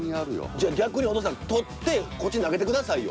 じゃあ逆にお父さん採ってこっちに投げて下さいよ。